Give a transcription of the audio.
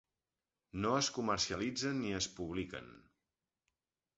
No es comercialitzen ni es publiquen.